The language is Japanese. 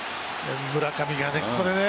村上がここでね